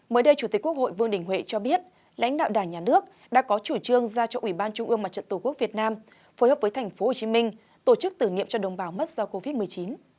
mới đây chủ tịch quốc hội vương đình huệ cho biết lãnh đạo đảng nhà nước đã có chủ trương ra cho ủy ban trung ương mặt trận tổ quốc việt nam phối hợp với tp hcm tổ chức tử nghiệm cho đồng bào mất do covid một mươi chín